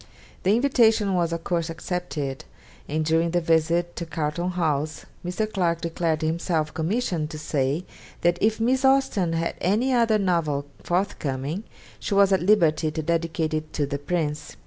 The invitation was of course accepted, and during the visit to Carlton House Mr. Clarke declared himself commissioned to say that if Miss Austen had any other novel forthcoming she was at liberty to dedicate it to the Prince.